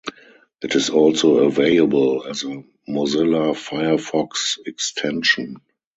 It is also available as a Mozilla Firefox extension.